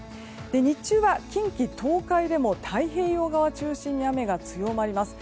日中は近畿・東海でも太平洋側を中心に雨が強まります。